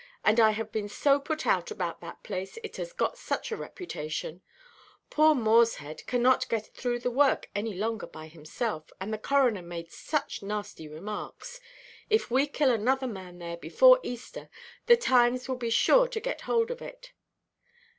And I have been so put out about that place, it has got such a reputation. Poor Morshead cannot get through the work any longer by himself. And the coroner made such nasty remarks. If we kill another man there before Easter, the Times will be sure to get hold of it.